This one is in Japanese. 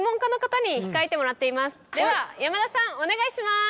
では山田さんお願いします。